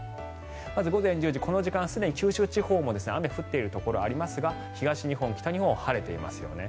午前１０時、この時間すでに九州地方も雨が降っているところがありますが東日本、北日本は晴れていますよね。